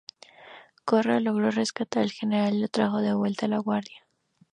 Korra logró rescatar al general, y lo trajo de vuelta a la guarida.